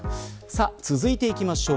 続いていきましょう。